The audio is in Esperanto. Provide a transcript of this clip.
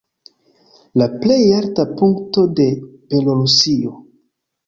La plej alta punkto de Belorusio.